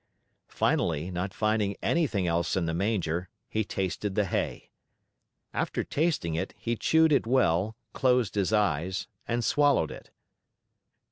Finally, not finding anything else in the manger, he tasted the hay. After tasting it, he chewed it well, closed his eyes, and swallowed it.